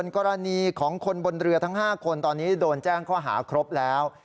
กรณีของคนบนเรือทั้ง๕คนตอนนี้โดนแจ้งข้อหาครบแล้ว